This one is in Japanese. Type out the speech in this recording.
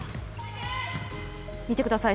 見てください。